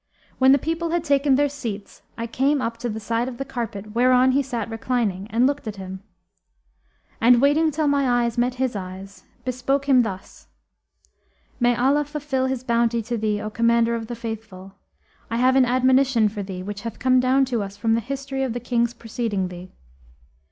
When the people had taken their seats, I came up to the side of the carpet whereon he sat reclining and looked at him; and, waiting till my eyes met his eyes, bespoke him thus, 'May Allah fulfil His bounty to thee, O Commander of the Faithful, I have an admonition for thee, which hath come down to us from the history of the Kings preceding thee!'